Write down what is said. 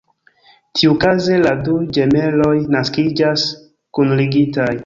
Tiukaze la du ĝemeloj naskiĝas kunligitaj.